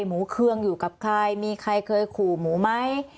หมูเครื่องอยู่กับใครมีใครเคยขู่หมูไหม